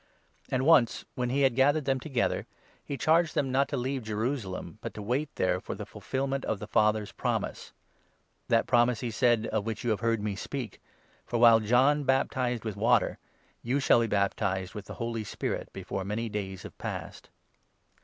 And 4 once, when he had gathered them together, he charged them not to leave Jerusalem, but to wait there for the fulfilment of the Father's promise — "that promise," he said, "of which you have heard me speak ; for, while John baptized with 5 water, you shall be baptized with the Holy Spirit before many days have passed."